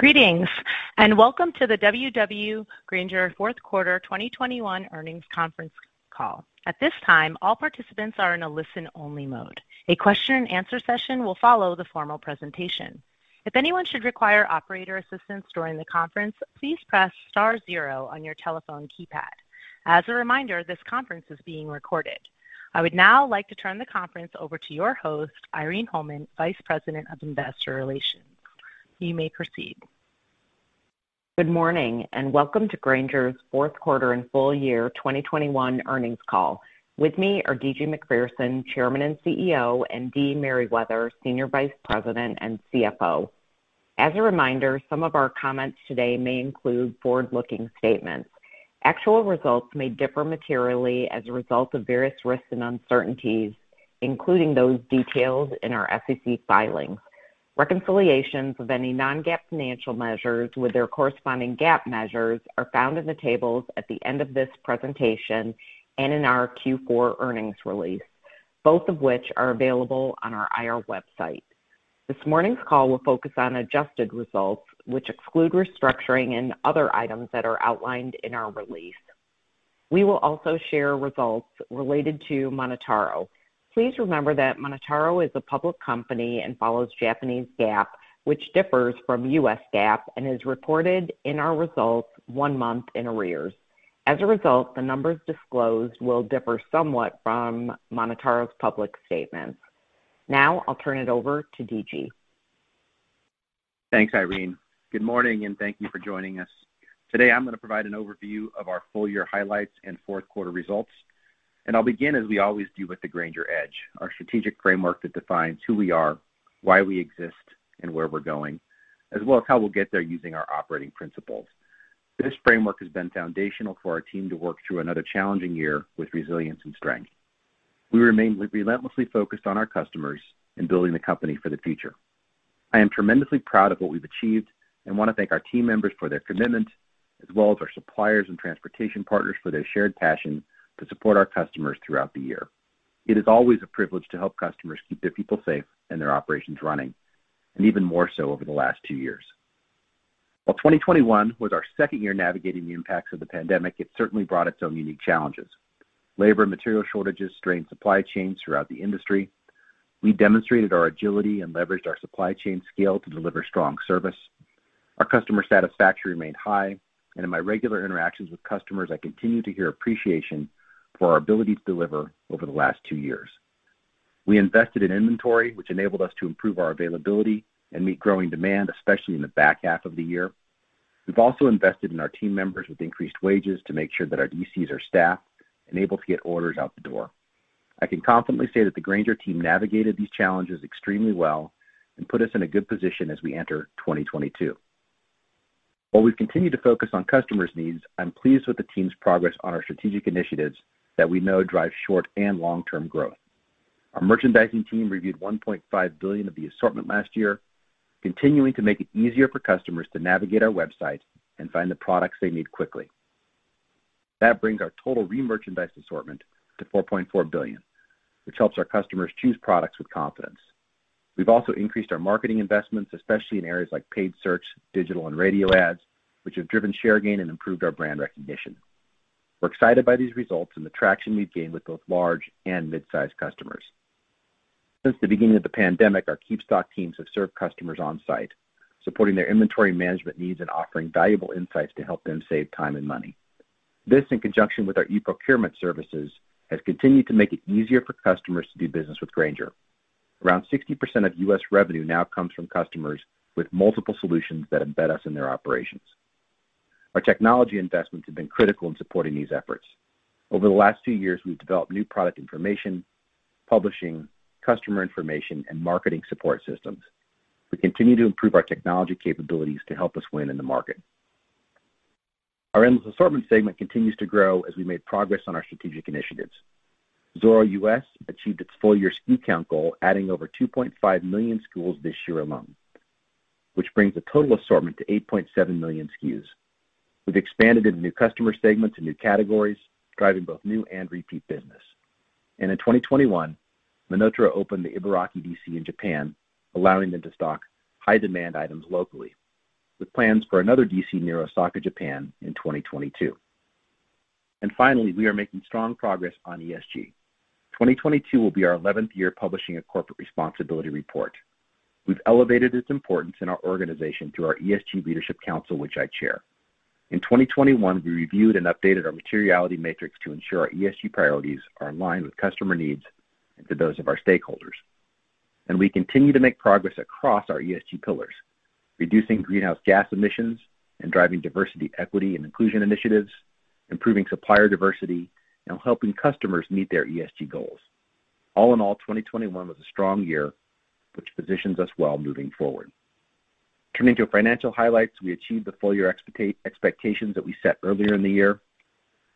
Greetings, and welcome to the W.W. Grainger Q4 2021 earnings conference call. At this time, all participants are in a listen-only mode. A question and answer session will follow the formal presentation. If anyone should require operator assistance during the conference, please press star zero on your telephone keypad. As a reminder, this conference is being recorded. I would now like to turn the conference over to your host, Irene Holman, Vice President of Investor Relations. You may proceed. Good morning, and welcome to Grainger's fourth quarter and full year 2021 earnings call. With me are D.G. Macpherson, Chairman and CEO, and Deidra Merriwether, Senior Vice President and CFO. As a reminder, some of our comments today may include forward-looking statements. Actual results may differ materially as a result of various risks and uncertainties, including those detailed in our SEC filings. Reconciliations of any non-GAAP financial measures with their corresponding GAAP measures are found in the tables at the end of this presentation and in our Q4 earnings release, both of which are available on our IR website. This morning's call will focus on adjusted results, which exclude restructuring and other items that are outlined in our release. We will also share results related to MonotaRO. Please remember that MonotaRO is a public company and follows Japanese GAAP, which differs from U.S. GAAP and is reported in our results one month in arrears. As a result, the numbers disclosed will differ somewhat from MonotaRO's public statements. Now I'll turn it over to D.G. Thanks, Irene. Good morning, and thank you for joining us. Today, I'm gonna provide an overview of our full year highlights and fourth quarter results, and I'll begin, as we always do, with The Grainger Edge, our strategic framework that defines who we are, why we exist, and where we're going, as well as how we'll get there using our operating principles. This framework has been foundational for our team to work through another challenging year with resilience and strength. We remain relentlessly focused on our customers in building the company for the future. I am tremendously proud of what we've achieved and want to thank our team members for their commitment, as well as our suppliers and transportation partners for their shared passion to support our customers throughout the year. It is always a privilege to help customers keep their people safe and their operations running, and even more so over the last two years. While 2021 was our second year navigating the impacts of the pandemic, it certainly brought its own unique challenges. Labor and material shortages strained supply chains throughout the industry. We demonstrated our agility and leveraged our supply chain scale to deliver strong service. Our customer satisfaction remained high, and in my regular interactions with customers, I continue to hear appreciation for our ability to deliver over the last two years. We invested in inventory, which enabled us to improve our availability and meet growing demand, especially in the back half of the year. We've also invested in our team members with increased wages to make sure that our DCs are staffed and able to get orders out the door. I can confidently say that the Grainger team navigated these challenges extremely well and put us in a good position as we enter 2022. While we've continued to focus on customers' needs, I'm pleased with the team's progress on our strategic initiatives that we know drive short and long-term growth. Our merchandising team reviewed 1.5 billion of the assortment last year, continuing to make it easier for customers to navigate our website and find the products they need quickly. That brings our total remerchandised assortment to 4.4 billion, which helps our customers choose products with confidence. We've also increased our marketing investments, especially in areas like paid search, digital and radio ads, which have driven share gain and improved our brand recognition. We're excited by these results and the traction we've gained with both large and mid-sized customers. Since the beginning of the pandemic, our KeepStock teams have served customers on-site, supporting their inventory management needs and offering valuable insights to help them save time and money. This, in conjunction with our e-procurement services, has continued to make it easier for customers to do business with Grainger. Around 60% of U.S. revenue now comes from customers with multiple solutions that embed us in their operations. Our technology investments have been critical in supporting these efforts. Over the last two years, we've developed new product information, publishing, customer information, and marketing support systems. We continue to improve our technology capabilities to help us win in the market. Our Endless Assortment segment continues to grow as we made progress on our strategic initiatives. Zoro.com U.S. achieved its full-year SKU count goal, adding over 2.5 million SKUs this year alone, which brings the total assortment to 8.7 million SKUs. We've expanded into new customer segments and new categories, driving both new and repeat business. In 2021, MonotaRO opened the Ibaraki DC in Japan, allowing them to stock high-demand items locally, with plans for another DC near Osaka, Japan, in 2022. Finally, we are making strong progress on ESG. 2022 will be our 11th year publishing a corporate responsibility report. We've elevated its importance in our organization through our ESG Leadership Council, which I chair. In 2021, we reviewed and updated our materiality matrix to ensure our ESG priorities are in line with customer needs and to those of our stakeholders. We continue to make progress across our ESG pillars: reducing greenhouse gas emissions and driving diversity, equity, and inclusion initiatives, improving supplier diversity, and helping customers meet their ESG goals. All in all, 2021 was a strong year, which positions us well moving forward. Turning to financial highlights, we achieved the full-year expectations that we set earlier in the year.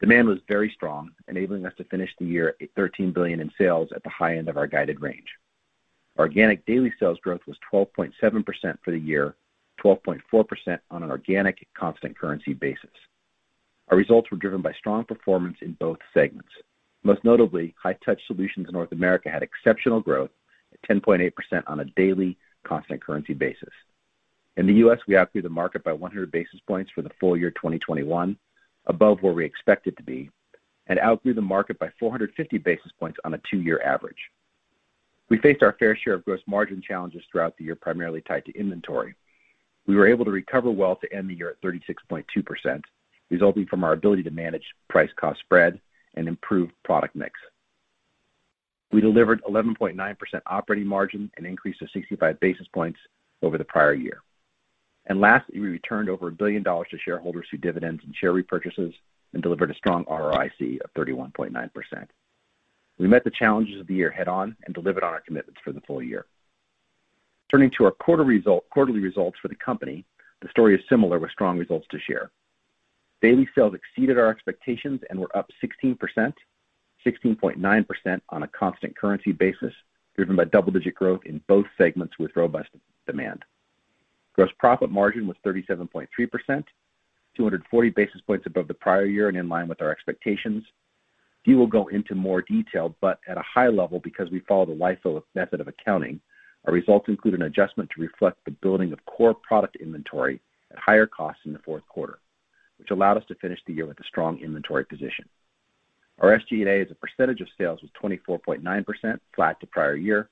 Demand was very strong, enabling us to finish the year at $13 billion in sales at the high end of our guided range. Organic daily sales growth was 12.7% for the year, 12.4% on an organic constant currency basis. Our results were driven by strong performance in both segments. Most notably, High-Touch Solutions in North America had exceptional growth at 10.8% on a daily constant currency basis. In the U.S., we outgrew the market by 100 basis points for the full year 2021, above where we expected to be, and outgrew the market by 450 basis points on a two-year average. We faced our fair share of gross margin challenges throughout the year, primarily tied to inventory. We were able to recover well to end the year at 36.2%, resulting from our ability to manage price cost spread and improve product mix. We delivered 11.9% operating margin, an increase of 65 basis points over the prior year. Lastly, we returned over $1 billion to shareholders through dividends and share repurchases and delivered a strong ROIC of 31.9%. We met the challenges of the year head on and delivered on our commitments for the full year. Turning to our quarterly results for the company, the story is similar with strong results to share. Daily sales exceeded our expectations and were up 16%, 16.9% on a constant currency basis, driven by double-digit growth in both segments with robust demand. Gross profit margin was 37.3%, 240 basis points above the prior year and in line with our expectations. We will go into more detail, but at a high level, because we follow the LIFO method of accounting, our results include an adjustment to reflect the building of core product inventory at higher costs in the fourth quarter, which allowed us to finish the year with a strong inventory position. Our SG&A as a percentage of sales was 24.9%, flat to prior year.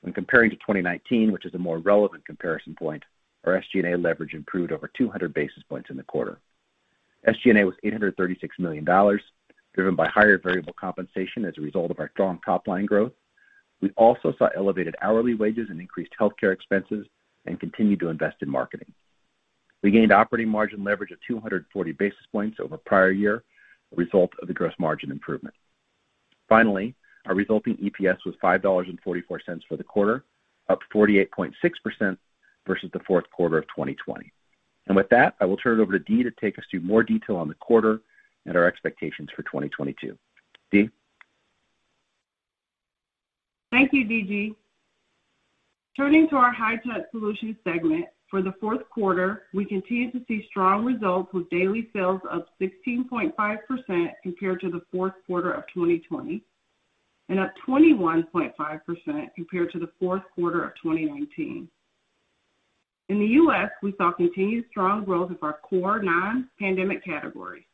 When comparing to 2019, which is a more relevant comparison point, our SG&A leverage improved over 200 basis points in the quarter. SG&A was $836 million, driven by higher variable compensation as a result of our strong top line growth. We also saw elevated hourly wages and increased healthcare expenses and continued to invest in marketing. We gained operating margin leverage of 240 basis points over prior year, a result of the gross margin improvement. Finally, our resulting EPS was $5.44 for the quarter, up 48.6% versus the fourth quarter of 2020. With that, I will turn it over to Dee to take us through more detail on the quarter and our expectations for 2022. Dee. Thank you, D.G. Turning to our High-Touch Solutions segment, for the fourth quarter, we continued to see strong results with daily sales up 16.5% compared to the fourth quarter of 2020, and up 21.5% compared to the fourth quarter of 2019. In the U.S., we saw continued strong growth of our core non-pandemic categories.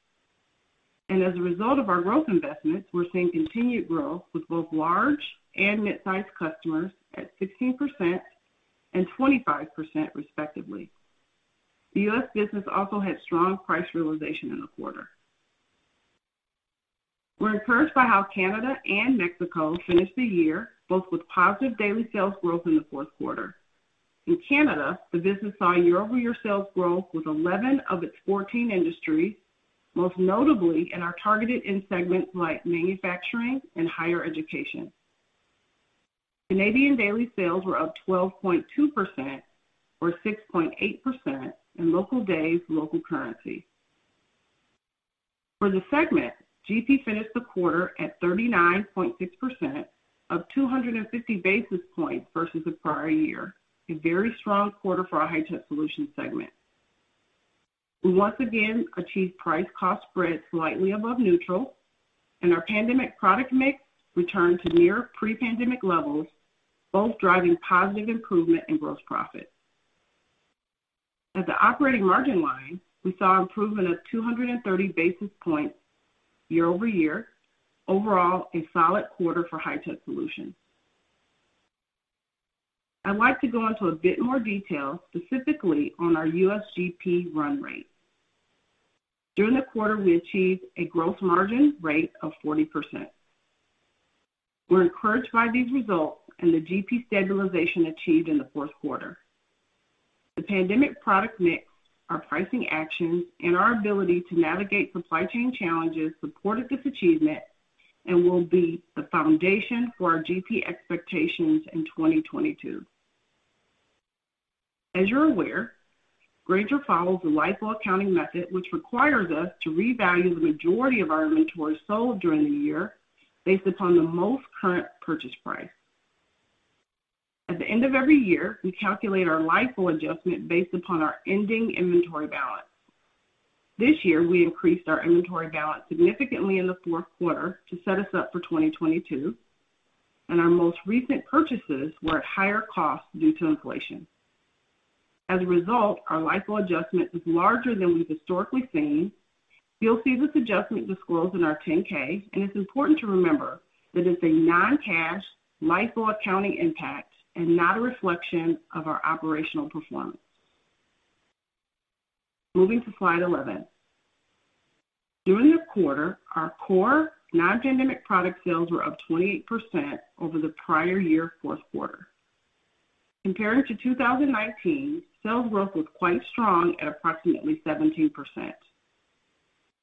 As a result of our growth investments, we're seeing continued growth with both large and mid-sized customers at 16% and 25% respectively. The U.S. business also had strong price realization in the quarter. We're encouraged by how Canada and Mexico finished the year, both with positive daily sales growth in the fourth quarter. In Canada, the business saw year-over-year sales growth with 11 of its 14 industries, most notably in our targeted end segments like manufacturing and higher education. Canadian daily sales were up 12.2% or 6.8% in local days, local currency. For the segment, GP finished the quarter at 39.6%, up 250 basis points versus the prior year, a very strong quarter for our High-Touch Solutions segment. We once again achieved price cost spread slightly above neutral, and our pandemic product mix returned to near pre-pandemic levels, both driving positive improvement in gross profit. At the operating margin line, we saw improvement of 230 basis points year-over-year. Overall, a solid quarter for High-Touch Solutions. I'd like to go into a bit more detail, specifically on our U.S. GP run rate. During the quarter, we achieved a gross margin rate of 40%. We're encouraged by these results and the GP stabilization achieved in the fourth quarter. The pandemic product mix, our pricing actions, and our ability to navigate supply chain challenges supported this achievement and will be the foundation for our GP expectations in 2022. As you're aware, Grainger follows a LIFO accounting method, which requires us to revalue the majority of our inventory sold during the year based upon the most current purchase price. At the end of every year, we calculate our LIFO adjustment based upon our ending inventory balance. This year, we increased our inventory balance significantly in the fourth quarter to set us up for 2022, and our most recent purchases were at higher cost due to inflation. As a result, our LIFO adjustment is larger than we've historically seen. You'll see this adjustment disclosed in our 10-K, and it's important to remember that it's a non-cash LIFO accounting impact and not a reflection of our operational performance. Moving to slide 11. During the quarter, our core non-pandemic product sales were up 28% over the prior year fourth quarter. Compared to 2019, sales growth was quite strong at approximately 17%.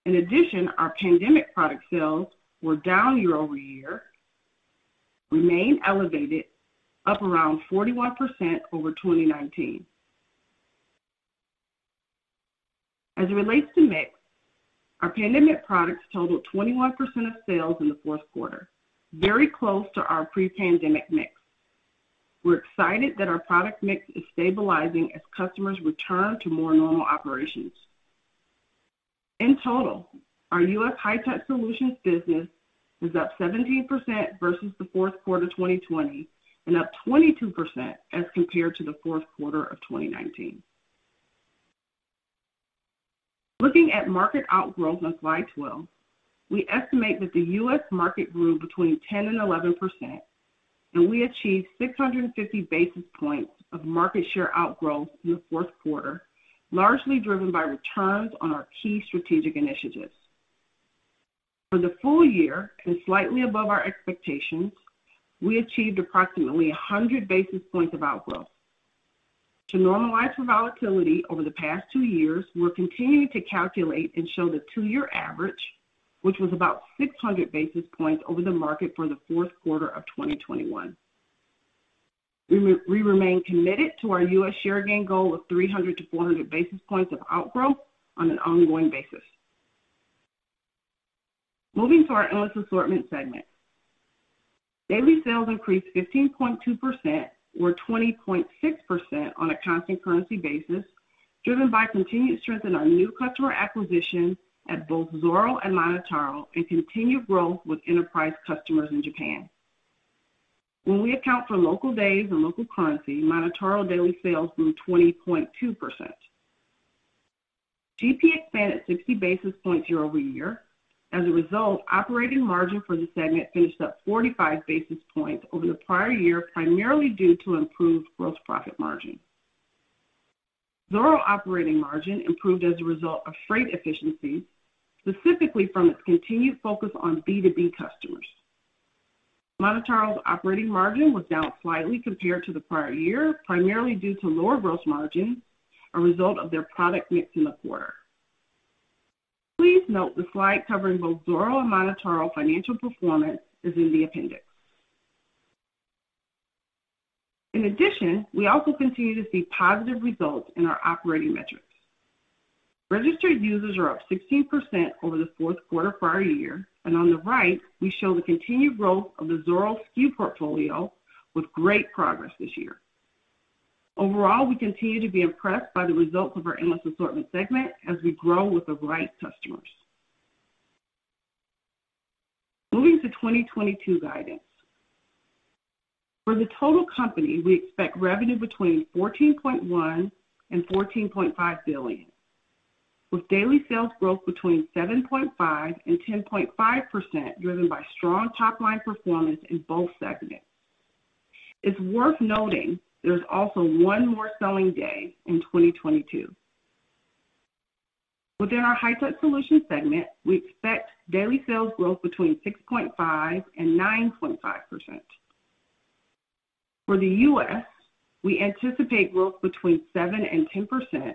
In addition, our pandemic product sales were down year-over-year, remain elevated, up around 41% over 2019. As it relates to mix, our pandemic products totaled 21% of sales in the fourth quarter, very close to our pre-pandemic mix. We're excited that our product mix is stabilizing as customers return to more normal operations. In total, our U.S. High-Touch Solutions business is up 17% versus the fourth quarter of 2020, and up 22% as compared to the fourth quarter of 2019. Looking at market outgrowth on slide 12, we estimate that the U.S. market grew between 10% and 11%, and we achieved 650 basis points of market share outgrowth in the fourth quarter, largely driven by returns on our key strategic initiatives. For the full year, and slightly above our expectations, we achieved approximately 100 basis points of outgrowth. To normalize for volatility over the past two years, we're continuing to calculate and show the two-year average, which was about 600 basis points over the market for the fourth quarter of 2021. We remain committed to our U.S. share gain goal of 300-400 basis points of outgrowth on an ongoing basis. Moving to our Endless Assortment segment. Daily sales increased 15.2% or 20.6% on a constant currency basis, driven by continued strength in our new customer acquisition at both Zoro and MonotaRO, and continued growth with enterprise customers in Japan. When we account for local days and local currency, MonotaRO daily sales grew 20.2%. GP expanded 60 basis points year-over-year. As a result, operating margin for the segment finished up 45 basis points over the prior year, primarily due to improved gross profit margin. Zoro operating margin improved as a result of freight efficiency, specifically from its continued focus on B2B customers. MonotaRO's operating margin was down slightly compared to the prior year, primarily due to lower gross margin, a result of their product mix in the quarter. Please note the slide covering both Zoro and MonotaRO financial performance is in the appendix. In addition, we also continue to see positive results in our operating metrics. Registered users are up 16% over the fourth quarter prior year, and on the right, we show the continued growth of the Zoro SKU portfolio with great progress this year. Overall, we continue to be impressed by the results of our Endless Assortment segment as we grow with the right customers. Moving to 2022 guidance. For the total company, we expect revenue between $14.1 billion and $14.5 billion, with daily sales growth between 7.5% and 10.5% driven by strong top-line performance in both segments. It's worth noting there's also 1 more selling day in 2022. Within our High-Touch Solutions segment, we expect daily sales growth between 6.5% and 9.5%. For the US, we anticipate growth between 7% and 10%,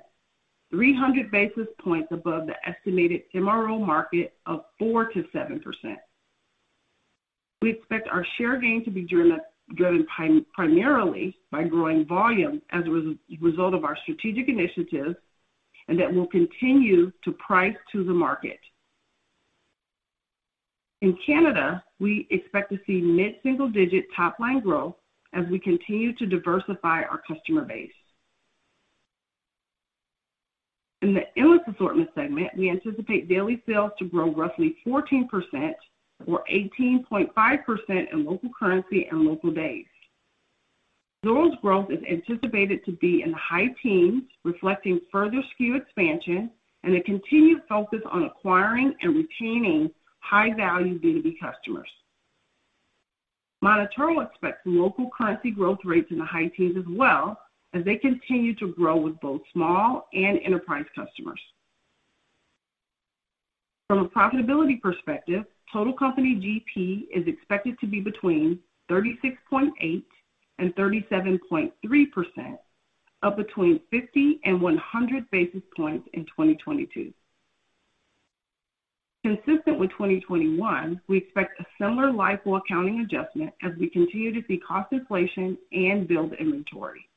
300 basis points above the estimated MRO market of 4%-7%. We expect our share gain to be driven primarily by growing volume as a result of our strategic initiatives, and that we'll continue to price to the market. In Canada, we expect to see mid-single digit top-line growth as we continue to diversify our customer base. In the Endless Assortment segment, we anticipate daily sales to grow roughly 14% or 18.5% in local currency and local days. Zoro's growth is anticipated to be in the high teens, reflecting further SKU expansion and a continued focus on acquiring and retaining high-value B2B customers. MonotaRO expects local currency growth rates in the high teens as well as they continue to grow with both small and enterprise customers. From a profitability perspective, total company GP is expected to be between 36.8% and 37.3%, up between 50 and 100 basis points in 2022. Consistent with 2021, we expect a similar LIFO accounting adjustment as we continue to see cost inflation and build inventory.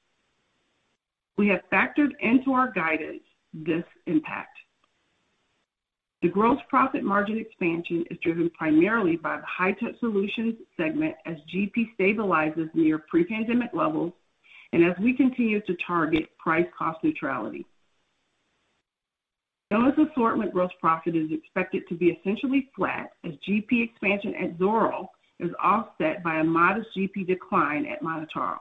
We have factored into our guidance this impact. The gross profit margin expansion is driven primarily by the High-Touch Solutions segment as GP stabilizes near pre-pandemic levels and as we continue to target price cost neutrality. Endless Assortment gross profit is expected to be essentially flat as GP expansion at Zoro is offset by a modest GP decline at MonotaRO.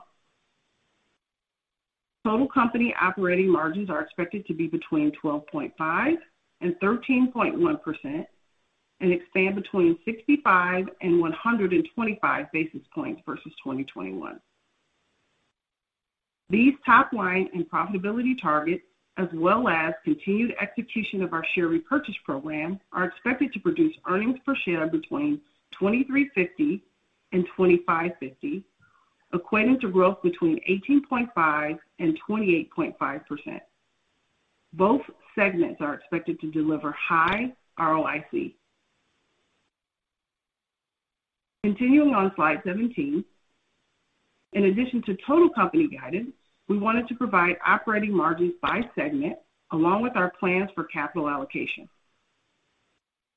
Total company operating margins are expected to be between 12.5% and 13.1% and expand between 65 and 125 basis points versus 2021. These top-line and profitability targets, as well as continued execution of our share repurchase program, are expected to produce earnings per share between $23.50 and $25.50, equating to growth between 18.5% and 28.5%. Both segments are expected to deliver high ROIC. Continuing on slide 17. In addition to total company guidance, we wanted to provide operating margins by segment along with our plans for capital allocation.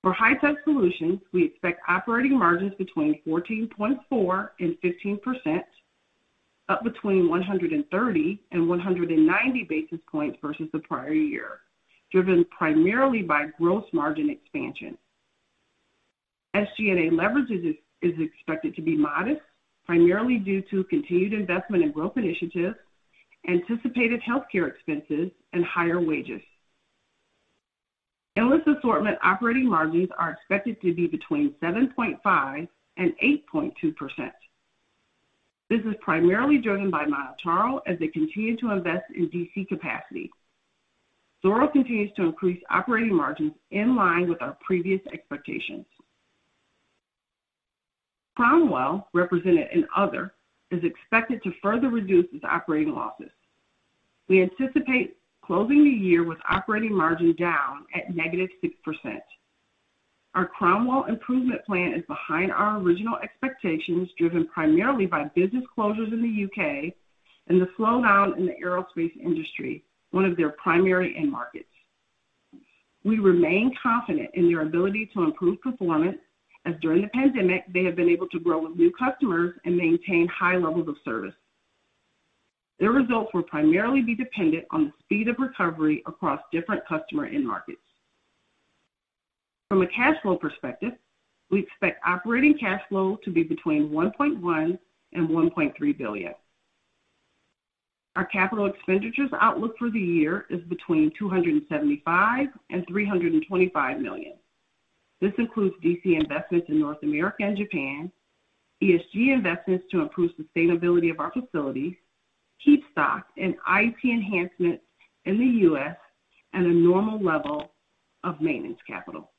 For High-Touch Solutions, we expect operating margins between 14.4% and 15%, up between 130 and 190 basis points versus the prior year, driven primarily by gross margin expansion. SG&A leverage is expected to be modest, primarily due to continued investment in growth initiatives, anticipated healthcare expenses, and higher wages. Endless Assortment operating margins are expected to be between 7.5% and 8.2%. This is primarily driven by MonotaRO as they continue to invest in DC capacity. Zoro continues to increase operating margins in line with our previous expectations. Cromwell, represented in other, is expected to further reduce its operating losses. We anticipate closing the year with operating margin down at negative 6%. Our Cromwell improvement plan is behind our original expectations, driven primarily by business closures in the U.K. and the slowdown in the aerospace industry, one of their primary end markets. We remain confident in their ability to improve performance as during the pandemic they have been able to grow with new customers and maintain high levels of service. Their results will primarily be dependent on the speed of recovery across different customer end markets. From a cash flow perspective, we expect operating cash flow to be between $1.1 billion and $1.3 billion. Our capital expenditures outlook for the year is between $275 million and $325 million. This includes DC investments in North America and Japan, ESG investments to improve sustainability of our facilities, KeepStock and IT enhancements in the U.S. at a normal level of maintenance capital.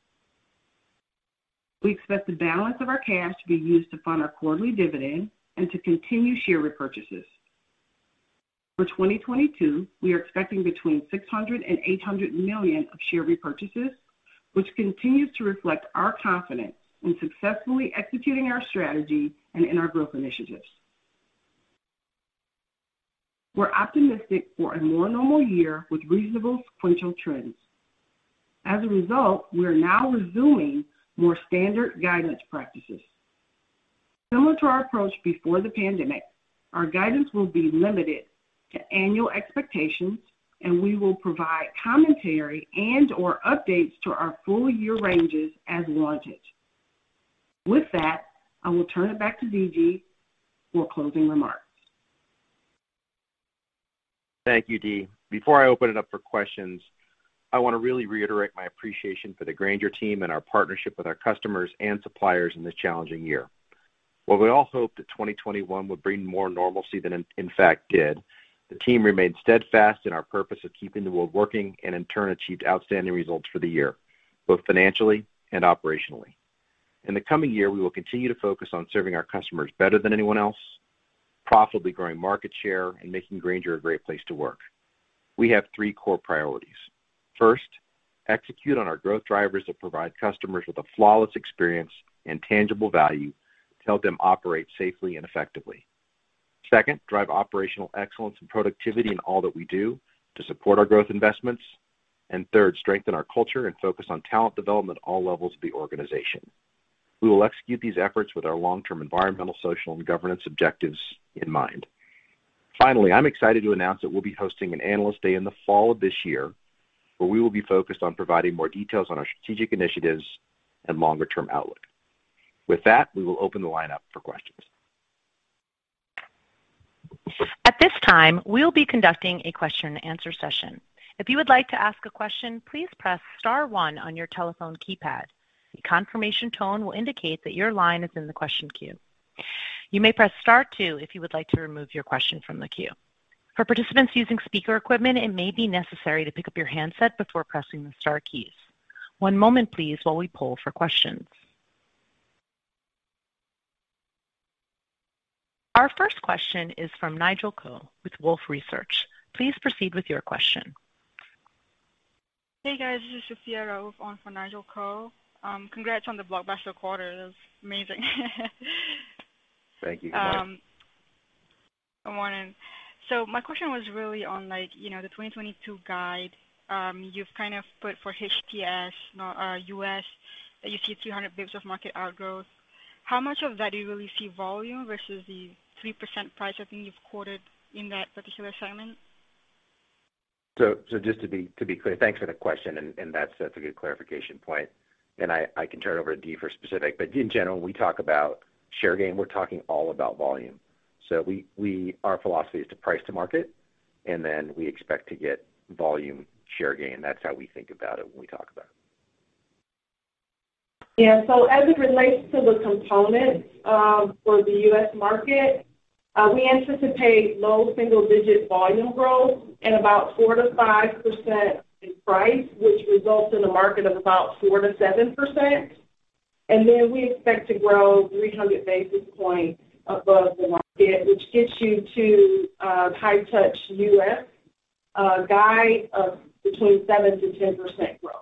We expect the balance of our cash to be used to fund our quarterly dividend and to continue share repurchases. For 2022, we are expecting between $600 million and $800 million of share repurchases, which continues to reflect our confidence in successfully executing our strategy and in our growth initiatives. We're optimistic for a more normal year with reasonable sequential trends. As a result, we are now resuming more standard guidance practices. Similar to our approach before the pandemic, our guidance will be limited to annual expectations, and we will provide commentary and or updates to our full year ranges as warranted. With that, I will turn it back to DG for closing remarks. Thank you, Dee. Before I open it up for questions, I want to really reiterate my appreciation for the Grainger team and our partnership with our customers and suppliers in this challenging year. While we all hoped that 2021 would bring more normalcy than it in fact did, the team remained steadfast in our purpose of keeping the world working and in turn achieved outstanding results for the year, both financially and operationally. In the coming year, we will continue to focus on serving our customers better than anyone else, profitably growing market share, and making Grainger a great place to work. We have three core priorities. First, execute on our growth drivers that provide customers with a flawless experience and tangible value to help them operate safely and effectively. Second, drive operational excellence and productivity in all that we do to support our growth investments. Third, strengthen our culture and focus on talent development at all levels of the organization. We will execute these efforts with our long-term environmental, social, and governance objectives in mind. Finally, I'm excited to announce that we'll be hosting an Analyst Day in the fall of this year, where we will be focused on providing more details on our strategic initiatives and longer-term outlook. With that, we will open the line up for questions. At this time, we will be conducting a question and answer session. If you would like to ask a question, please press star one on your telephone keypad. A confirmation tone will indicate that your line is in the question queue. You may press star two if you would like to remove your question from the queue. For participants using speaker equipment, it may be necessary to pick up your handset before pressing the star keys. One moment please while we poll for questions. Our first question is from Nigel Coe with Wolfe Research. Please proceed with your question. Hey, guys. This is Sabrina Abrams on for Nigel Coe. Congrats on the blockbuster quarter. That was amazing. Thank you. Good morning. My question was really on, like, you know, the 2022 guide. You've kind of put for HTS US that you see 300 BPS of market outgrowth. How much of that do you really see volume versus the 3% price, I think you've quoted in that particular assignment? Just to be clear, thanks for the question, and that's a good clarification point. I can turn it over to Dee for specifics, but in general, when we talk about share gain, we're talking all about volume. Our philosophy is to price to market, and then we expect to get volume share gain. That's how we think about it when we talk about it. As it relates to the components, for the U.S. market, we anticipate low single-digit volume growth and about 4%-5% in price, which results in a market of about 4%-7%. We expect to grow 300 basis points above the market, which gets you to High-Touch U.S. guide of between 7%-10% growth.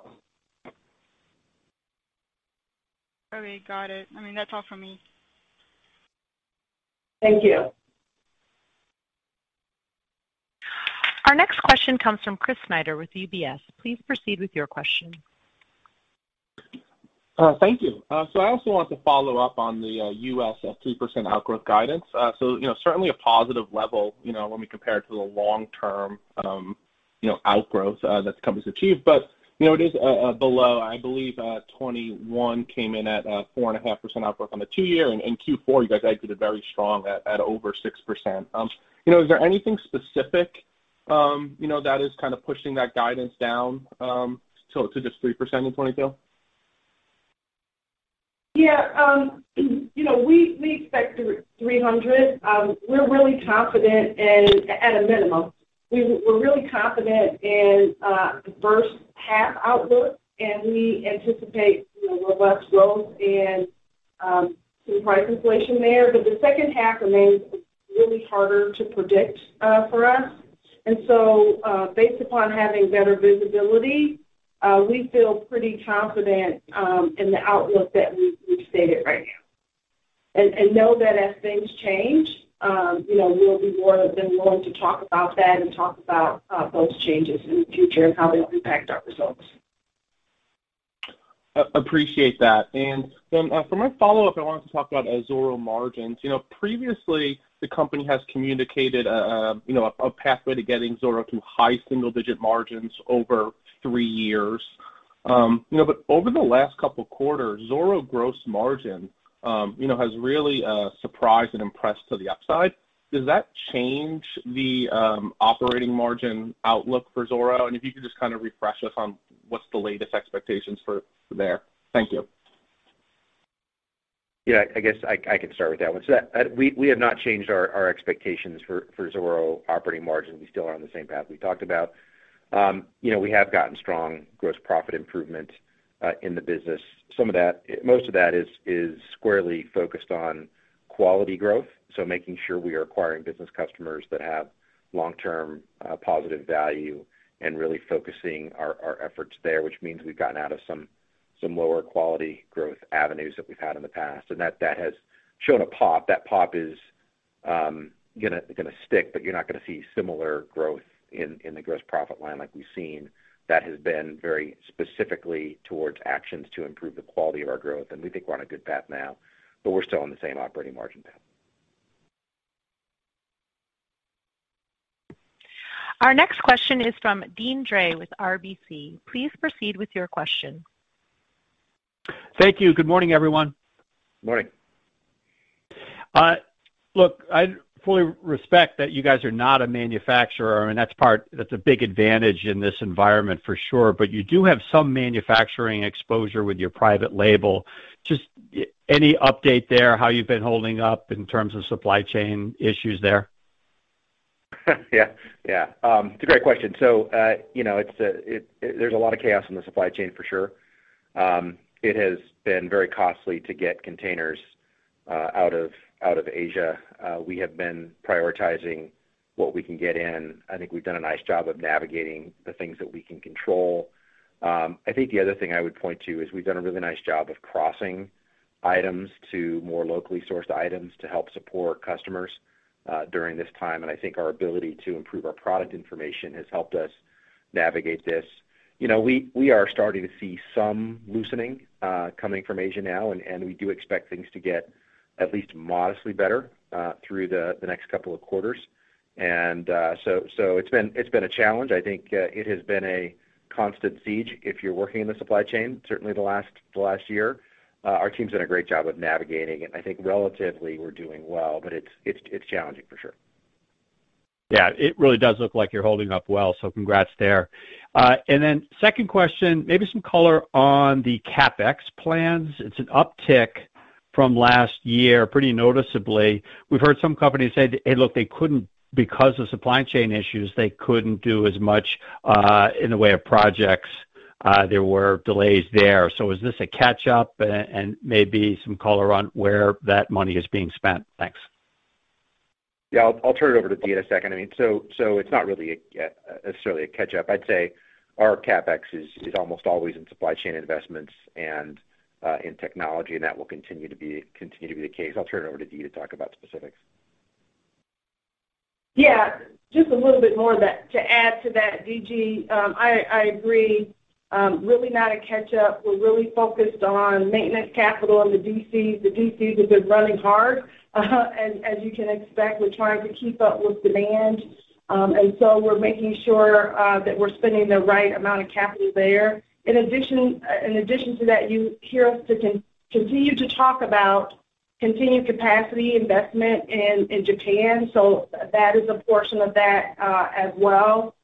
All right. Got it. I mean, that's all for me. Thank you. Our next question comes from Christopher Snyder with UBS. Please proceed with your question. Thank you. I also want to follow up on the U.S. at 2% outgrowth guidance. You know, certainly a positive level, you know, when we compare it to the long-term outgrowth that the company's achieved. You know it is below. I believe 2021 came in at 4.5% outgrowth on the two-year. In Q4, you guys exited very strong at over 6%. You know, is there anything specific, you know, that is kind of pushing that guidance down to just 3% in 2022? Yeah. You know, we expect 300. We're really confident and at a minimum. We're really confident in the first half outlook, and we anticipate, you know, robust growth and some price inflation there. The second half remains really harder to predict for us. Based upon having better visibility, we feel pretty confident in the outlook that we've stated right now, and know that as things change, you know, we'll be more than willing to talk about that and talk about those changes in the future and how they impact our results. Appreciate that. For my follow-up, I wanted to talk about zoro.com margins. You know, previously the company has communicated, you know, a pathway to getting zoro.com to high single-digit margins over three years. You know, but over the last couple quarters, zoro.com gross margin, you know, has really surprised and impressed to the upside. Does that change the operating margin outlook for zoro.com? If you could just kind of refresh us on what's the latest expectations for there. Thank you. Yeah. I guess I can start with that one. We have not changed our expectations for zoro.com operating margin. We still are on the same path we talked about. You know, we have gotten strong gross profit improvement in the business. Most of that is squarely focused on quality growth, so making sure we are acquiring business customers that have long-term positive value and really focusing our efforts there, which means we've gotten out of some lower quality growth avenues that we've had in the past. That has shown a pop. That pop is gonna stick, but you're not gonna see similar growth in the gross profit line like we've seen. That has been very specifically towards actions to improve the quality of our growth. We think we're on a good path now, but we're still on the same operating margin path. Our next question is from Deane Dray with RBC. Please proceed with your question. Thank you. Good morning, everyone. Morning. Look, I fully respect that you guys are not a manufacturer, and that's a big advantage in this environment for sure. You do have some manufacturing exposure with your private label. Just any update there, how you've been holding up in terms of supply chain issues there? It's a great question. You know, there's a lot of chaos in the supply chain for sure. It has been very costly to get containers out of Asia. We have been prioritizing what we can get in. I think we've done a nice job of navigating the things that we can control. I think the other thing I would point to is we've done a really nice job of crossing items to more locally sourced items to help support customers during this time. I think our ability to improve our product information has helped us navigate this. You know, we are starting to see some loosening coming from Asia now, and we do expect things to get at least modestly better through the next couple of quarters. It's been a challenge. I think it has been a constant siege if you're working in the supply chain, certainly the last year. Our team's done a great job of navigating, and I think relatively we're doing well, but it's challenging for sure. Yeah. It really does look like you're holding up well, so congrats there. Second question, maybe some color on the CapEx plans. It's an uptick from last year, pretty noticeably. We've heard some companies say, hey, look, because of supply chain issues, they couldn't do as much, in the way of projects. There were delays there. Is this a catch-up? Maybe some color on where that money is being spent. Thanks. Yeah. I'll turn it over to Dee in a second. I mean, so it's not really a necessarily a catch-up. I'd say our CapEx is almost always in supply chain investments and in technology, and that will continue to be the case. I'll turn it over to Dee to talk about specifics. Yeah. Just a little bit more of that. To add to that, D.G., I agree. Really not a catch-up. We're really focused on maintenance capital in the DCs. The DCs have been running hard, as you can expect. We're trying to keep up with demand. We're making sure that we're spending the right amount of capital there. In addition to that, you hear us continue to talk about continued capacity investment in Japan. That is a portion of that, as well.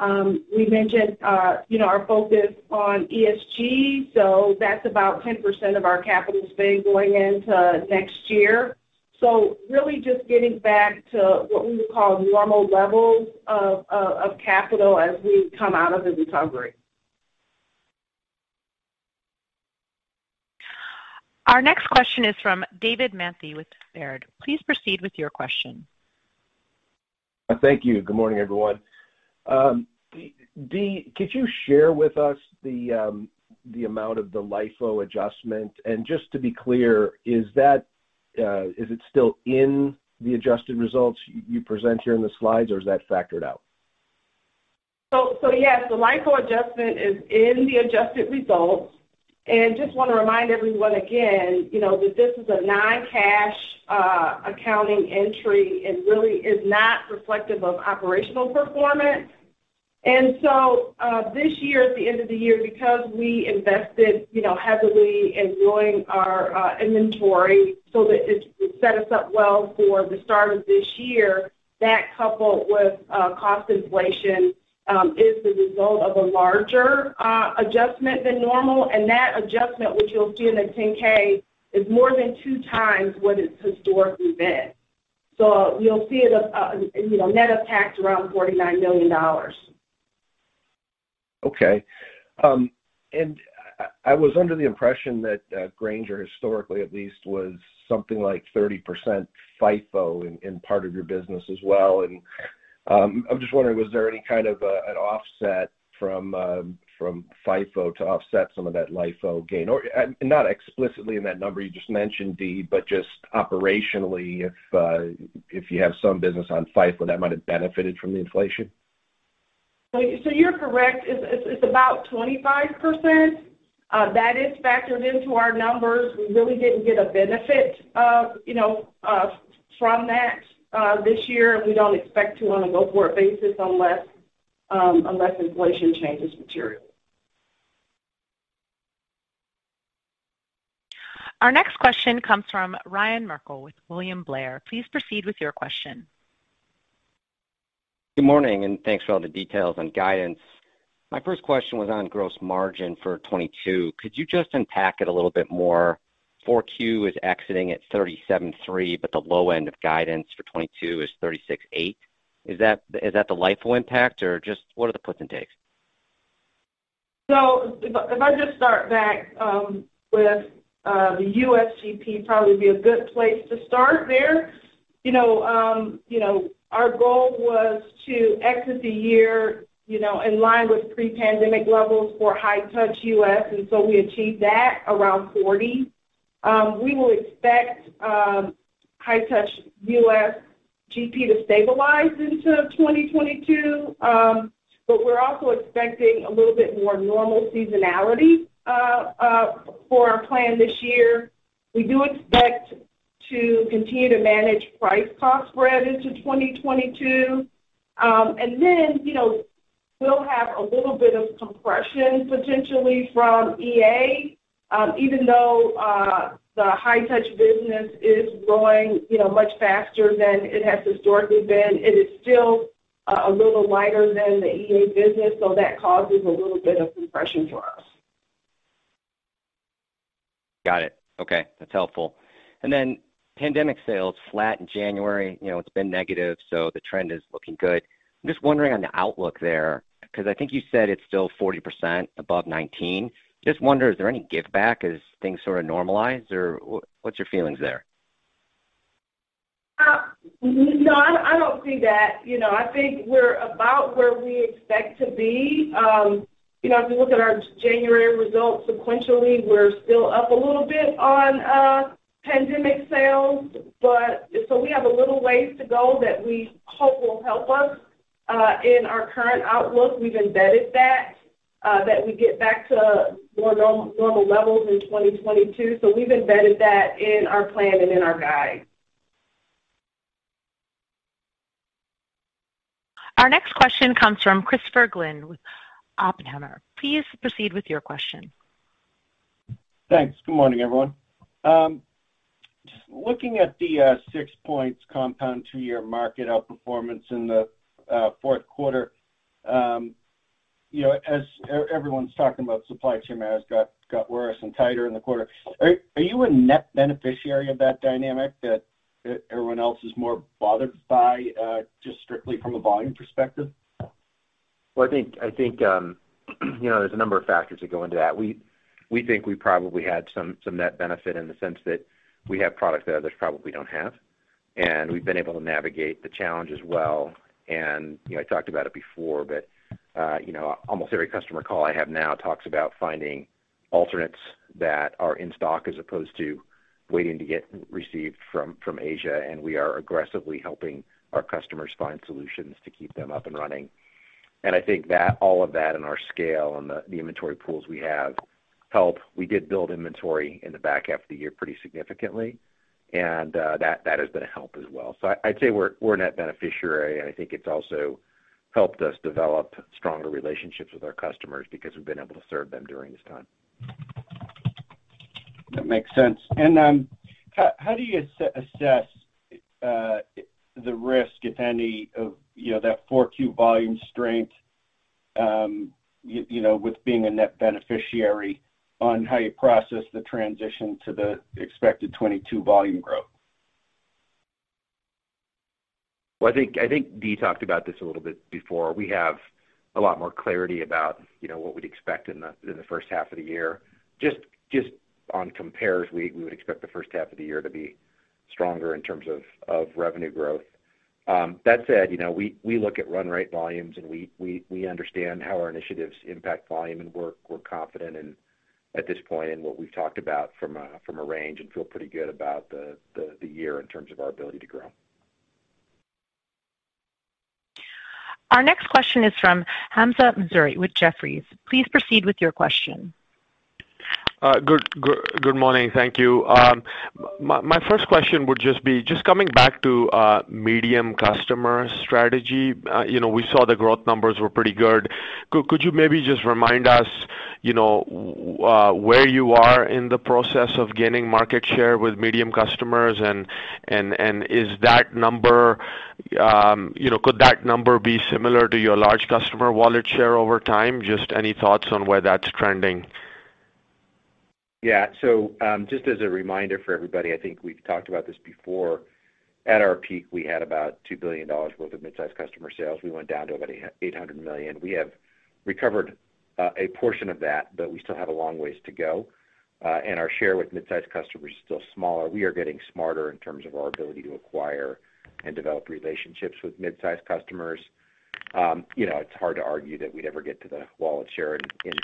We mentioned, you know, our focus on ESG, so that's about 10% of our capital spend going into next year. Really just getting back to what we would call normal levels of capital as we come out of the recovery. Our next question is from David Manthey with Baird. Please proceed with your question. Thank you. Good morning, everyone. Dee, could you share with us the amount of the LIFO adjustment? Just to be clear, is that? Is it still in the adjusted results you present here in the slides, or is that factored out? Yes, the LIFO adjustment is in the adjusted results. Just wanna remind everyone again, you know, that this is a non-cash, accounting entry and really is not reflective of operational performance. This year at the end of the year, because we invested, you know, heavily in growing our, inventory so that it set us up well for the start of this year, that coupled with, cost inflation, is the result of a larger, adjustment than normal. That adjustment, which you'll see in the 10-K, is more than two times what it's historically been. You'll see it, net of tax around $49 million. Okay. I was under the impression that Grainger historically at least was something like 30% FIFO in part of your business as well. I'm just wondering, was there any kind of an offset from FIFO to offset some of that LIFO gain? Or not explicitly in that number you just mentioned, Dee, but just operationally, if you have some business on FIFO that might have benefited from the inflation. You're correct. It's about 25%. That is factored into our numbers. We really didn't get a benefit, you know, from that, this year, and we don't expect to on a go-forward basis unless inflation changes materially. Our next question comes from Ryan Merkel with William Blair. Please proceed with your question. Good morning, and thanks for all the details on guidance. My first question was on gross margin for 2022. Could you just unpack it a little bit more? Q4 is exiting at 37.3%, but the low end of guidance for 2022 is 36.8%. Is that the LIFO impact or just what are the puts and takes? If I just start back with the U.S. GP, it would probably be a good place to start there. You know, our goal was to exit the year, you know, in line with pre-pandemic levels for high-touch U.S., and we achieved that around 40%. We expect high-touch U.S. GP to stabilize into 2022. But we're also expecting a little bit more normal seasonality for our plan this year. We do expect to continue to manage price-cost spread into 2022. And then, you know, we'll have a little bit of compression potentially from EA. Even though the High-Touch business is growing, you know, much faster than it has historically been, it is still a little lighter than the EA business, so that causes a little bit of compression for us. Got it. Okay, that's helpful. Pandemic sales flat in January. You know, it's been negative, so the trend is looking good. I'm just wondering on the outlook there, 'cause I think you said it's still 40% above 2019. Just wonder, is there any give back as things sorta normalize or what's your feelings there? No, I don't see that. You know, I think we're about where we expect to be. You know, if you look at our January results sequentially, we're still up a little bit on pandemic sales, but so we have a little ways to go that we hope will help us in our current outlook. We've embedded that we get back to more normal levels in 2022. We've embedded that in our plan and in our guide. Our next question comes from Christopher Glynn with Oppenheimer. Please proceed with your question. Thanks. Good morning, everyone. Just looking at the six points compound two-year market outperformance in the fourth quarter. You know, as everyone's talking about supply chain has got worse and tighter in the quarter. Are you a net beneficiary of that dynamic that everyone else is more bothered by, just strictly from a volume perspective? Well, I think you know, there's a number of factors that go into that. We think we probably had some net benefit in the sense that we have product that others probably don't have, and we've been able to navigate the challenge as well. You know, I talked about it before, but you know, almost every customer call I have now talks about finding alternates that are in stock as opposed to waiting to receive from Asia. We are aggressively helping our customers find solutions to keep them up and running. I think that all of that in our scale and the inventory pools we have help. We did build inventory in the back half of the year pretty significantly, and that has been a help as well. I'd say we're a net beneficiary, and I think it's also helped us develop stronger relationships with our customers because we've been able to serve them during this time. That makes sense. How do you assess the risk, if any, of, you know, that Q4 volume strength, you know, with being a net beneficiary on how you process the transition to the expected 2022 volume growth? Well, I think Dee talked about this a little bit before. We have a lot more clarity about, you know, what we'd expect in the first half of the year. Just on compares, we would expect the first half of the year to be stronger in terms of revenue growth. That said, you know, we look at run rate volumes, and we understand how our initiatives impact volume, and we're confident at this point in what we've talked about from a range and feel pretty good about the year in terms of our ability to grow. Our next question is from Hamza Mazari with Jefferies. Please proceed with your question. Good morning. Thank you. My first question would just be coming back to medium customer strategy. You know, we saw the growth numbers were pretty good. Could you maybe just remind us, you know, where you are in the process of gaining market share with medium customers and is that number, you know, could that number be similar to your large customer wallet share over time? Just any thoughts on where that's trending. Just as a reminder for everybody, I think we've talked about this before. At our peak, we had about $2 billion worth of midsize customer sales. We went down to about $800 million. We have recovered a portion of that, but we still have a long ways to go. Our share with midsize customers is still smaller. We are getting smarter in terms of our ability to acquire and develop relationships with midsize customers. You know, it's hard to argue that we'd ever get to the wallet share in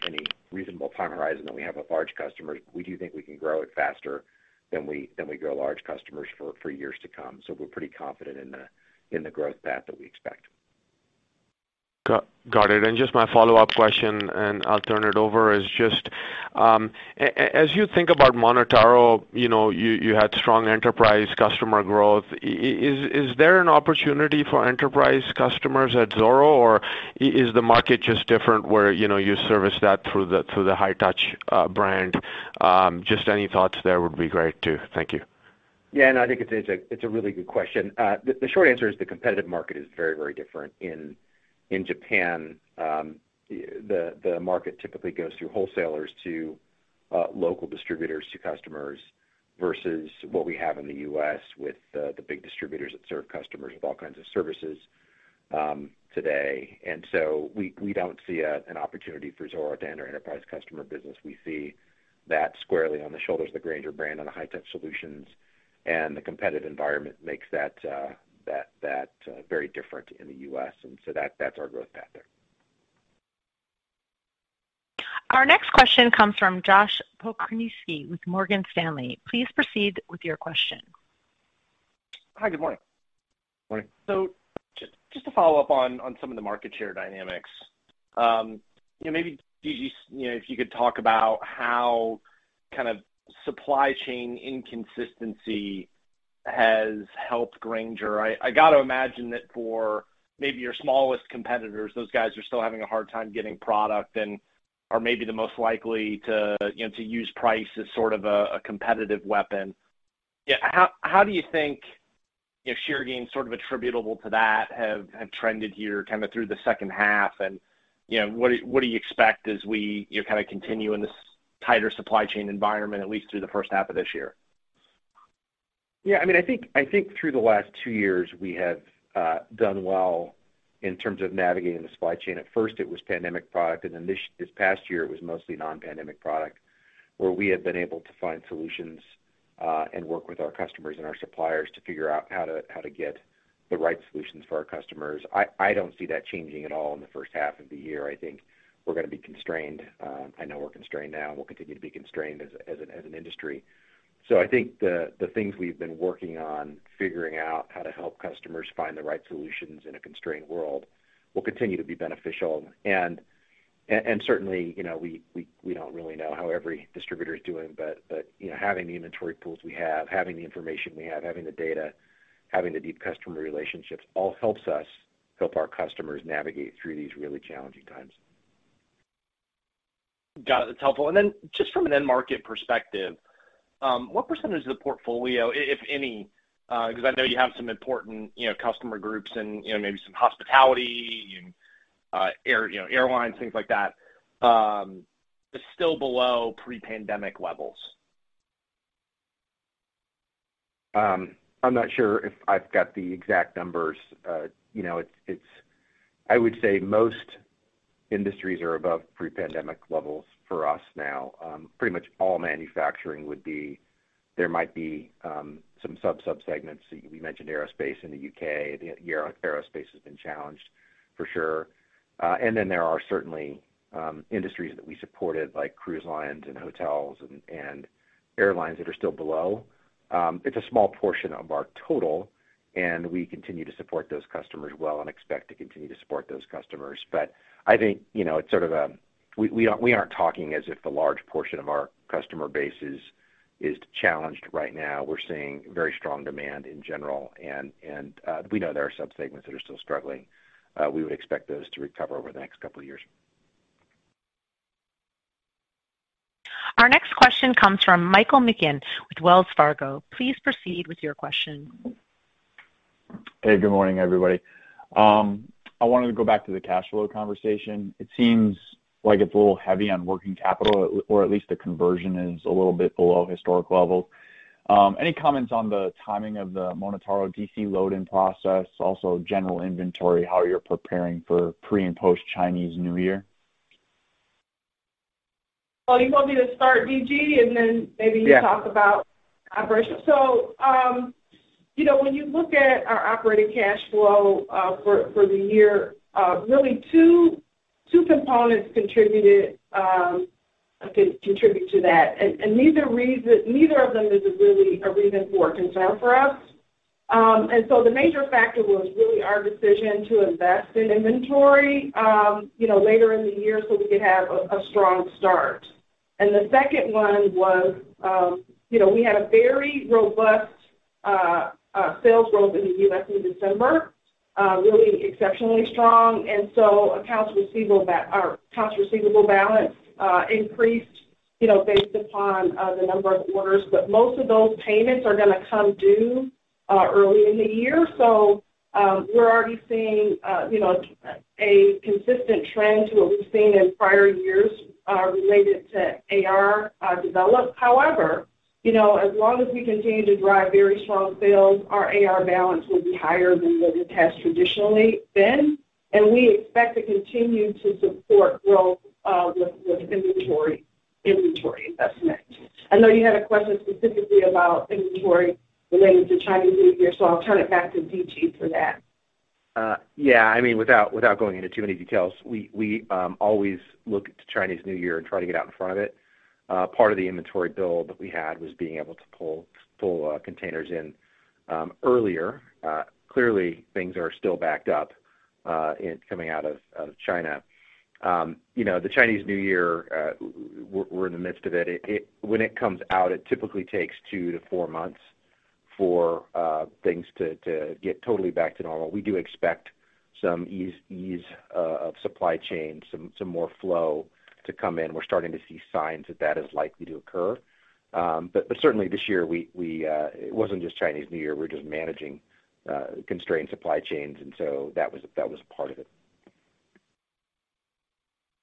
any reasonable time horizon that we have with large customers. We do think we can grow it faster than we grow large customers for years to come. We're pretty confident in the growth path that we expect. Got it. Just my follow-up question, and I'll turn it over, is just as you think about MonotaRO, you know, you had strong enterprise customer growth. Is there an opportunity for enterprise customers at zoro.com, or is the market just different where, you know, you service that through the High-Touch brand? Just any thoughts there would be great too. Thank you. Yeah. No, I think it's a really good question. The short answer is the competitive market is very, very different in Japan. The market typically goes through wholesalers to local distributors to customers versus what we have in the U.S. with the big distributors that serve customers with all kinds of services today. We don't see an opportunity for zoro.com to enter enterprise customer business. We see that squarely on the shoulders of the Grainger brand on the High-Touch Solutions, and the competitive environment makes that very different in the U.S. That's our growth path there. Our next question comes from Josh Pokrzywinski with Morgan Stanley. Please proceed with your question. Hi. Good morning. Morning. Just to follow up on some of the market share dynamics, you know, maybe GG, you know, if you could talk about how kind of supply chain inconsistency has helped Grainger. I got to imagine that for maybe your smallest competitors, those guys are still having a hard time getting product and are maybe the most likely to, you know, to use price as sort of a competitive weapon. Yeah, how do you think, you know, share gains sort of attributable to that have trended here kind of through the second half? What do you expect as we, you know, kind of continue in this tighter supply chain environment, at least through the first half of this year? Yeah. I mean, I think through the last two years, we have done well in terms of navigating the supply chain. At first it was pandemic product, and then this past year it was mostly non-pandemic product where we have been able to find solutions and work with our customers and our suppliers to figure out how to get the right solutions for our customers. I don't see that changing at all in the first half of the year. I think we're gonna be constrained. I know we're constrained now, and we'll continue to be constrained as an industry. I think the things we've been working on, figuring out how to help customers find the right solutions in a constrained world will continue to be beneficial. Certainly, you know, we don't really know how every distributor is doing, but you know, having the inventory tools we have, having the information we have, having the data, having the deep customer relationships, all helps us help our customers navigate through these really challenging times. Got it. That's helpful. Then just from an end market perspective, what percentage of the portfolio, if any, 'cause I know you have some important, you know, customer groups and, you know, maybe some hospitality and, air, you know, airlines, things like that, is still below pre-pandemic levels? I'm not sure if I've got the exact numbers. You know, it's – I would say most industries are above pre-pandemic levels for us now. Pretty much all manufacturing would be, there might be some subsegments. We mentioned aerospace in the U.K. European aerospace has been challenged for sure. Then there are certainly industries that we supported, like cruise lines and hotels and airlines that are still below. It's a small portion of our total, and we continue to support those customers well and expect to continue to support those customers. I think, you know, it's sort of a – We aren't talking as if the large portion of our customer base is challenged right now. We're seeing very strong demand in general and we know there are subsegments that are still struggling. We would expect those to recover over the next couple of years. Our next question comes from Michael McGinn with Wells Fargo. Please proceed with your question. Hey, good morning, everybody. I wanted to go back to the cash flow conversation. It seems like it's a little heavy on working capital or at least the conversion is a little bit below historic levels. Any comments on the timing of the MonotaRO DC load-in process, also general inventory, how you're preparing for pre- and post-Chinese New Year? Oh, you want me to start, D.G., and then maybe. Yeah... you talk about operations? You know, when you look at our operating cash flow for the year, really two components contributed to that. Neither of them is a reason for concern for us. The major factor was really our decision to invest in inventory, you know, later in the year so we could have a strong start. The second one was, you know, we had a very robust sales growth in the U.S. in December, really exceptionally strong. Accounts receivable balance increased, you know, based upon the number of orders. Most of those payments are gonna come due early in the year. We're already seeing, you know, a consistent trend to what we've seen in prior years related to AR development. However, you know, as long as we continue to drive very strong sales, our AR balance will be higher than what it has traditionally been, and we expect to continue to support growth with inventory investment. I know you had a question specifically about inventory related to Chinese New Year, so I'll turn it back to DG for that. Yeah. I mean, without going into too many details, we always look to Chinese New Year and try to get out in front of it. Part of the inventory build that we had was being able to pull containers in earlier. Clearly, things are still backed up coming out of China. You know, the Chinese New Year, we're in the midst of it. When it comes out, it typically takes 2-4 months for things to get totally back to normal. We do expect some ease of supply chain, some more flow to come in. We're starting to see signs that is likely to occur. Certainly this year it wasn't just Chinese New Year. We're just managing constrained supply chains, and so that was part of it.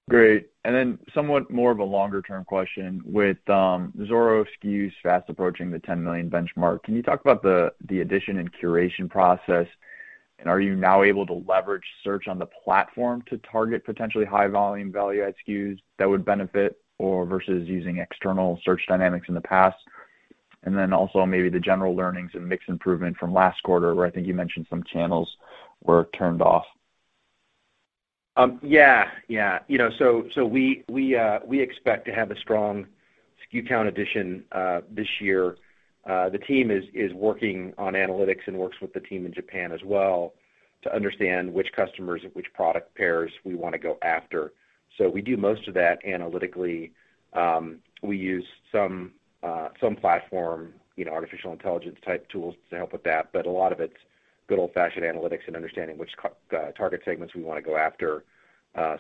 Great. Then somewhat more of a longer term question. With zoro.com SKUs fast approaching the 10 million benchmark, can you talk about the addition and curation process? Are you now able to leverage search on the platform to target potentially high volume value add SKUs that would benefit or versus using external search dynamics in the past? Then also maybe the general learnings and mix improvement from last quarter where I think you mentioned some channels were turned off. Yeah. You know, we expect to have a strong SKU count addition this year. The team is working on analytics and works with the team in Japan as well to understand which customers and which product pairs we wanna go after. We do most of that analytically. We use some platform, you know, artificial intelligence type tools to help with that, but a lot of it's good old-fashioned analytics and understanding which target segments we wanna go after,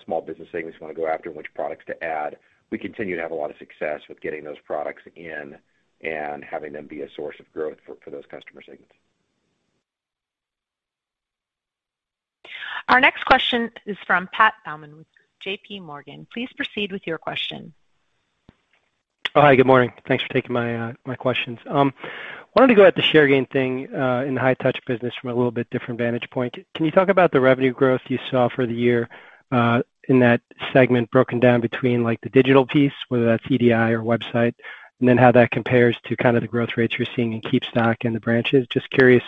small business segments we wanna go after, and which products to add. We continue to have a lot of success with getting those products in and having them be a source of growth for those customer segments. Our next question is from Patrick Baumann with JPMorgan. Please proceed with your question. Hi, good morning. Thanks for taking my questions. Wanted to go at the share gain thing in the High-Touch business from a little bit different vantage point. Can you talk about the revenue growth you saw for the year in that segment broken down between like the digital piece, whether that's EDI or website, and then how that compares to kind of the growth rates you're seeing in KeepStock and the branches? Just curious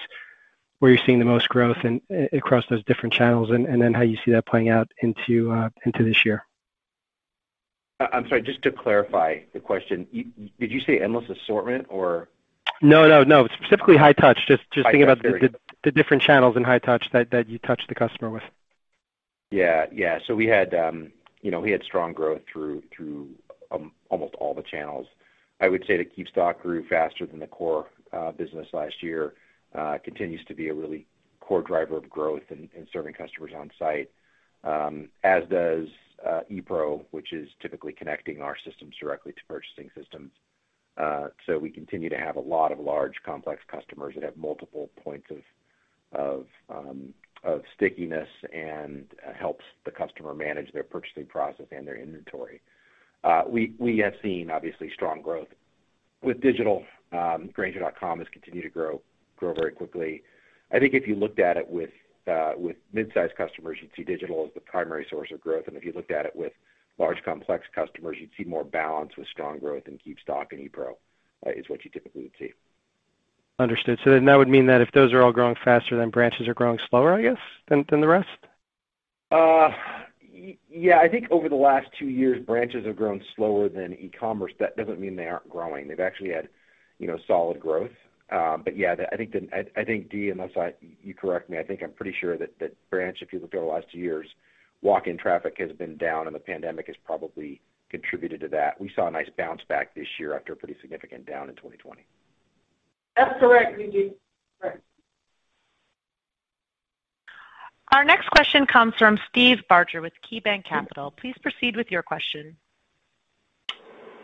where you're seeing the most growth and across those different channels, and then how you see that playing out into this year. I'm sorry, just to clarify the question. Did you say Endless Assortment or No, no. Specifically High-Touch. Just. High-touch. Okay thinking about the different channels in High-Touch that you touch the customer with. Yeah. Yeah. We had strong growth through almost all the channels. I would say that KeepStock grew faster than the core business last year, continues to be a really core driver of growth in serving customers on site, as does ePro, which is typically connecting our systems directly to purchasing systems. We continue to have a lot of large, complex customers that have multiple points of stickiness and helps the customer manage their purchasing process and their inventory. We have seen obviously strong growth with digital, grainger.com has continued to grow very quickly. I think if you looked at it with midsize customers, you'd see digital as the primary source of growth. If you looked at it with large complex customers, you'd see more balance with strong growth in KeepStock and ePro, is what you typically would see. Understood. That would mean that if those are all growing faster, then branches are growing slower, I guess, than the rest? Yeah. I think over the last two years, branches have grown slower than e-commerce. That doesn't mean they aren't growing. They've actually had, you know, solid growth. But yeah, I think, Dee, unless you correct me, I think I'm pretty sure that branch, if you looked over the last two years, walk-in traffic has been down and the pandemic has probably contributed to that. We saw a nice bounce back this year after a pretty significant down in 2020. That's correct, DG. That's correct. Our next question comes from Steve Barger with KeyBanc Capital Markets. Please proceed with your question.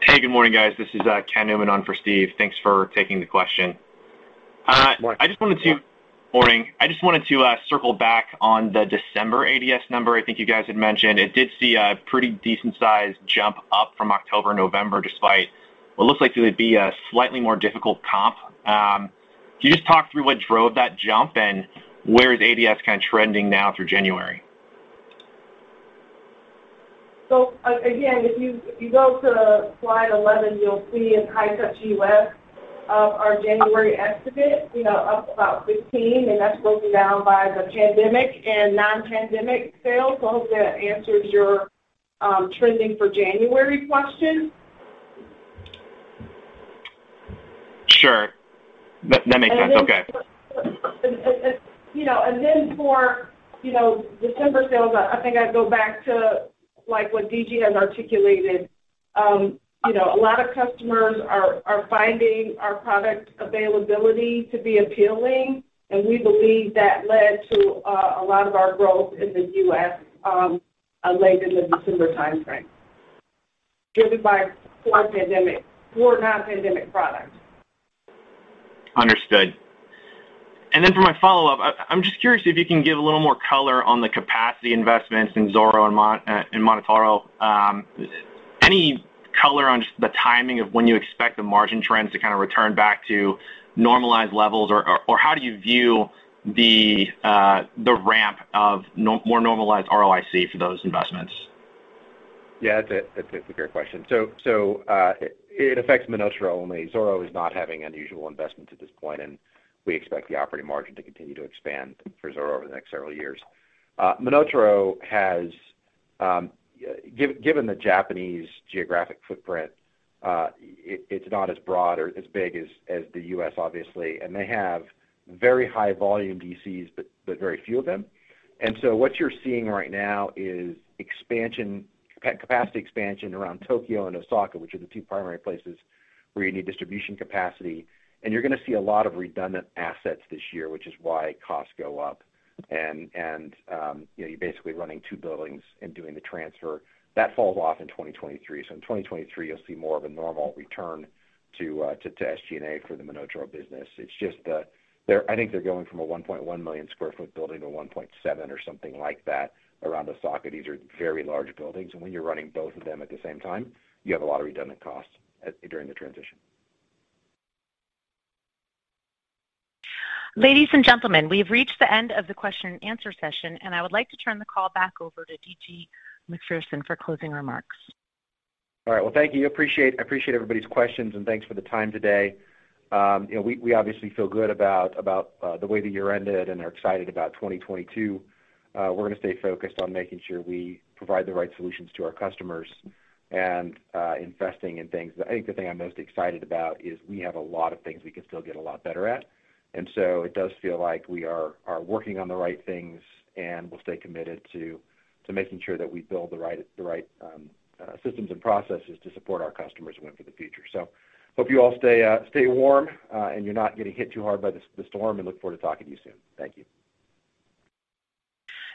Hey, good morning, guys. This is, Ken Newman on for Steve. Thanks for taking the question. Good morning. Morning. I just wanted to circle back on the December ADS number I think you guys had mentioned. It did see a pretty decent sized jump up from October, November, despite what looks like it would be a slightly more difficult comp. Can you just talk through what drove that jump and where is ADS kind of trending now through January? Again, if you go to slide 11, you'll see in High-Touch U.S. our January estimate, you know, up about 15%, and that's broken down by the pandemic and non-pandemic sales. I hope that answers your trending for January question. Sure. That makes sense. Okay. You know, for December sales, you know, I think I'd go back to, like, what DG has articulated. You know, a lot of customers are finding our product availability to be appealing, and we believe that led to a lot of our growth in the U.S. late in the December timeframe, driven by core pandemic or non-pandemic products. Understood. Then for my follow-up, I'm just curious if you can give a little more color on the capacity investments in zoro.com and in MonotaRO. Any color on just the timing of when you expect the margin trends to kind of return back to normalized levels? Or how do you view the ramp of more normalized ROIC for those investments? Yeah, that's a great question. It affects MonotaRO only. zoro.com is not having unusual investment at this point, and we expect the operating margin to continue to expand for zoro.com over the next several years. MonotaRO has given the Japanese geographic footprint, it's not as broad or as big as the U.S. obviously, and they have very high volume DCs, but very few of them. What you're seeing right now is expansion, capacity expansion around Tokyo and Osaka, which are the two primary places where you need distribution capacity. You're gonna see a lot of redundant assets this year, which is why costs go up. You know, you're basically running two buildings and doing the transfer. That falls off in 2023. In 2023, you'll see more of a normal return to SG&A for the MonotaRO business. It's just that they're. I think they're going from a 1.1 million sq ft building to 1.7 or something like that around Osaka. These are very large buildings, and when you're running both of them at the same time, you have a lot of redundant costs during the transition. Ladies and gentlemen, we have reached the end of the question and answer session, and I would like to turn the call back over to D.G. Macpherson for closing remarks. All right. Well, thank you. I appreciate everybody's questions, and thanks for the time today. You know, we obviously feel good about the way the year ended and are excited about 2022. We're gonna stay focused on making sure we provide the right solutions to our customers and investing in things. I think the thing I'm most excited about is we have a lot of things we can still get a lot better at. It does feel like we are working on the right things, and we'll stay committed to making sure that we build the right systems and processes to support our customers and win for the future. Hope you all stay warm, and you're not getting hit too hard by the storm, and look forward to talking to you soon. Thank you.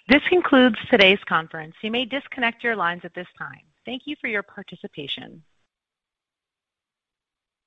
This concludes today's conference. You may disconnect your lines at this time. Thank you for your participation.